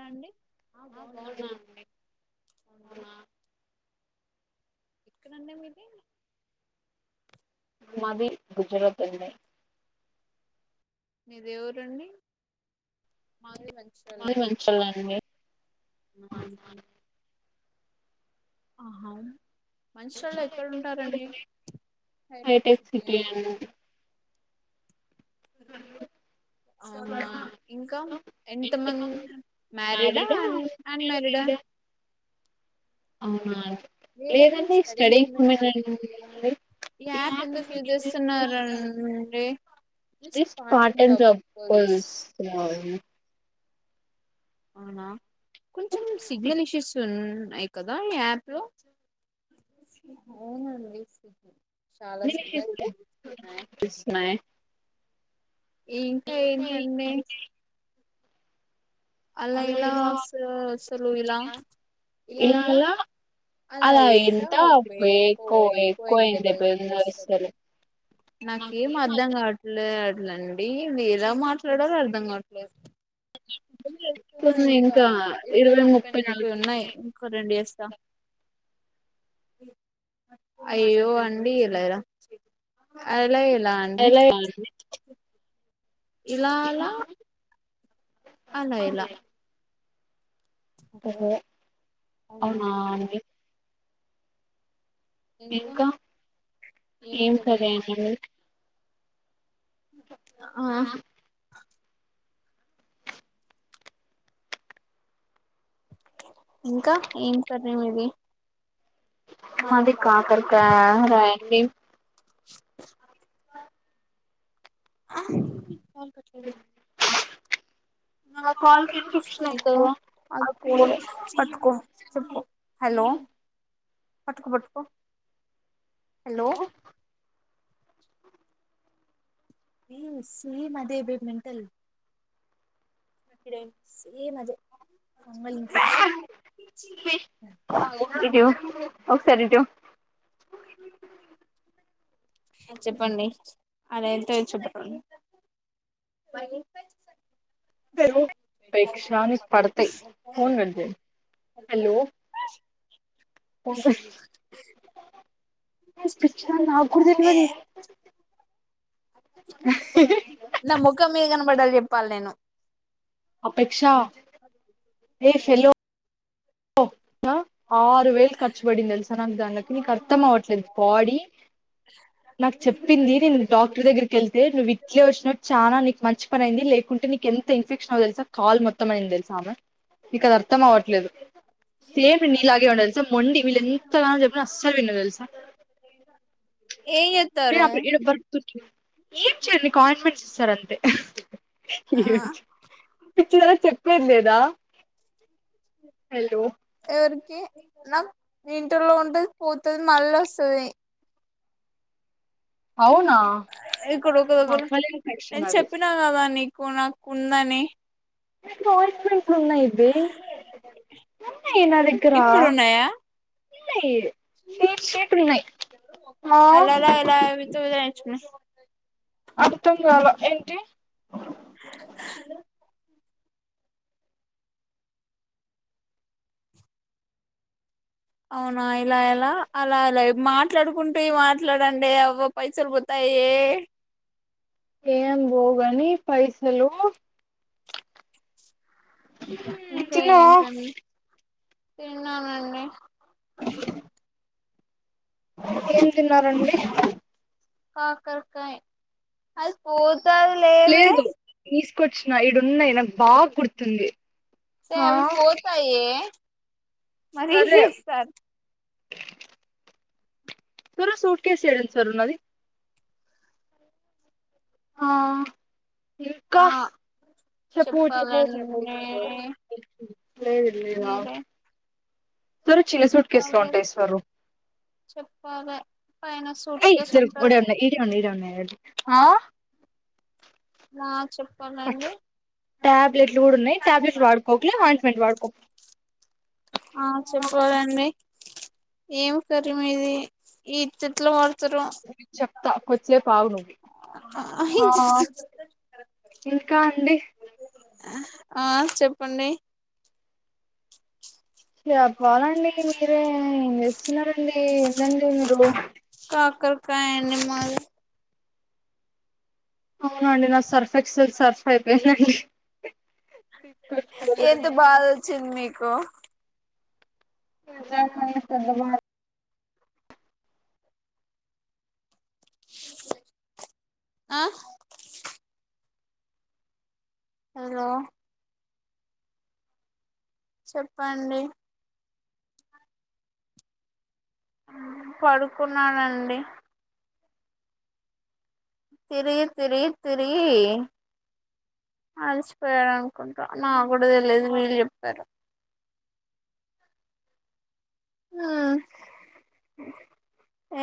అ అండి ఆ బాగున్నా అండి అవునా మాది గుజరాత్ అండి. మీదేవురండి. మాది మంచిర్యాల అండి అవునా ఆహా మంచిర్యాల లో ఎక్కడ ఉంటారండి హైటెక్ సిటీ అండి. స అవునా ఇంకా ఎంత మంది మ్యారీడా అ అన్ అన్మారీడా అవునాన్ లేదా అండి స్టడీ వుమెన్ ఈ యాప్ ఎందుకు యూజ్ చేస్తున్నారని జస్ట్ పార్ట్ టైమ్ జాబ్ కోసం అండి. అవునా కొంచెం సిగ్నల్ ఇష్యూస్ ఉన్నాయి కదా ఈ యాప్ లో అవునండి. చాలా సిగ్నల్ ఉన్నాయి. ఇంకా ఏంటండి. అలా ఇలా అస అసలు ఇలా ఇలా ఎలా అలా ఎంత ఎకువ ఎక్కువ అయ్యింది బిజినెస్ అసలు నాకేం అర్థం కావట్లే లండి మీర మాట్లాడారా అర్ధం కావట్లేదు. వచ్చన్నాయి ఇంకా ఇరవై ముప్పై నలభై ఉన్నాయి ఇంకో రెండు చేస్ అయ్యో అండి ఎలారా అలా ఇలా అండి. ఇలా అలా అలా ఇలా ఓహో అవునా అండి ఇంకా ఏం సరే అనడి ఉ ఆ ఇంకా ఏం సరేమి ఇది మాది కాపర్తా రాయ్ ఎ ఆ నా కాలుకి ఇన్ఫెక్షన్ అంది కదపట్టుకో చెప్పు హలో పట్కో పట్కో హలో హమ్ సేమ్ అదే బాడ్మింటన్ ఇదే సేమ్ అదే అమ్మ ఎం తెచ్చావ్ చెప్పండి అలాయ్యితే చెప్పకండి హలో పేక్ష నీకు పడతాయి ఫోన్ కట్ చేయ్ హలో పిచ్చి దినాగుడ తేల్వదే నా ముఖం మీద బడాలి చెప్పాలి నేను ది [unintelligible] హలో [inaudible] త ఆరు వేలు ఖర్చుబడింది తెలుసా నాకు దందగ్గర నీకు అర్థం అవ్వట్లేదు బాడీ నాకు చెప్పింది నేను డాక్టర్ దగ్గరికి వెళ్తే నువ్వు ఇట్లే వచ్చిన చాలా నీకు మంచి పని అయింది లేకుంటే నీకు ఎంత ఇన్ఫెక్షన్ అయ్యేదొ తెలుసా కాల్ మొత్తం అయ్యింది తెలుస ఆమె నీక అది అర్థం అవట్లేదు సేమ్ నీలాగే ఉండ తెలుసా మొండి వీళ్ళు ఎంతగానో చెప్పిన అస్సలు విన్నదు తెలుసా లేదు అప్పుడు బరుకుతుంది ఏం చేయ్యను నీకు ఆయింట్మెంట్స్ ఇ తను అంతే పిచ్చిదాన చెప్పేది లేదు దా హలో ఇరికిన్నా [unintelligible] నాకు వింటర్లో ఉంటది పోతుంది మళ్ళ వస్తది అవున ఫంగల్ ఇన్ఫెక్షన్ అది కొనా కుందనీ పోరిక్పోయి సన్నా ఇది ఉన్నాయి నాదగ్గర ఇ [unintelligible] అలలా ఇలా వెళ్తూ నేర్చుకున్న అర్థం కాల ఏంటి హలో అవునా ఇలా ఎలా అలా అలా మాట్లాడుకుంటూ మాట్లాడండి అవ్వ పైసలు పోతయే ఏం బోవుగని పైసలు తిన్నావా తిన్నానండి ఏం తిన్నారండి కాకరకాయ అదిపో లేవే కొచ్చన ఇడు ఉన్నకు బాగా కుతుంది ఆ మరీ చేస్తారు సర సూట్కేస యడ సార్ నాది ఆ ఇంకా చెప్పు చెప్పు చెప్పు చెప్పు లే లే సారు చిన్న సూట్కేస్ లో ఉంటాయి సారు చెప్పలీ అయ జరుగు ఒడి ఉ ఇడి ఉండ ఇడి ఉన్నాయి టాబ్లెట్లు కూడా ఉన్నాయి టాబ్లెట్లు వాడుకోట్లే వాస్మెంట్ వాడుకో ఆ చెప్పలండి ఏం కర్రీ మీది ఇది ఈ చెట్ల వాడ్ చెప్తా కొద్దిసేపు ఆగు ఆ ఇంకా అండి ఆ చెప్పండి చెప్పలాండి మీరే ఏం చేస్తున్నారండి ఏందండి మీరు కాయ అండి మాది అవునండి నా సర్ఫ్ ఎక్సల్ సర్ఫ్ అయిపోయిదండి ఎంత బాధ వచ్చింది మీకు నిజంగానే పెద్ద బాధ ఆ హలో చెప్పండి పడుకున్నానండి తిరిగి తిరిగి తిరిగి అలసిపోయాడు అనుకుంటా నాకు కూడా తెలియదు వీళ్ళు చెప్పారు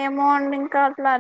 ఏమో అండి ఇంకా అట్లా